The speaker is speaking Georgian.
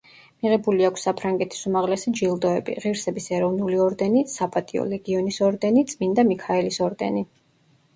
მიღებული აქვს საფრანგეთის უმაღლესი ჯილდოები: ღირსების ეროვნული ორდენი, საპატიო ლეგიონის ორდენი, წმინდა მიქაელის ორდენი.